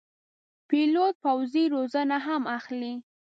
پیلوټ پوځي روزنه هم اخلي.